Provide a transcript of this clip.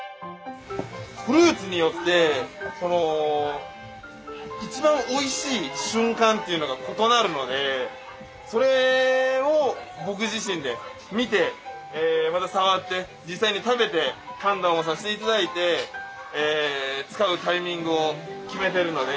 フルーツによってこの一番おいしい瞬間っていうのが異なるのでそれを僕自身で見てまた触って実際に食べて判断をさせていただいて使うタイミングを決めてるので。